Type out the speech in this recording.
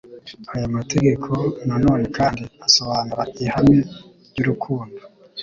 Aya mategeko, na none kandi asobanura ihame ry'urukundo.